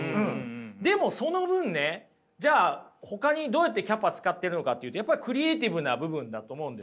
でもその分ねじゃあほかにどうやってキャパ使ってるのかってやっぱりクリエーティブな部分だと思うんですよ。